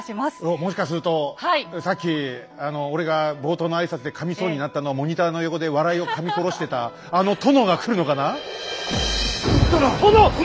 もしかするとさっき俺が冒頭の挨拶でかみそうになったのをモニターの横で笑いをかみ殺してた殿！